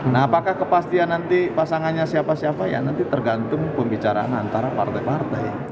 nah apakah kepastian nanti pasangannya siapa siapa ya nanti tergantung pembicaraan antara partai partai